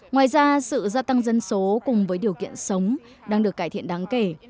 ngoài ra sự gia tăng dân số cùng với điều kiện sống đang được cải thiện đáng kể